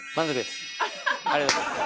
ありがとうございます。